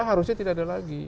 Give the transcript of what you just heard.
harusnya tidak ada lagi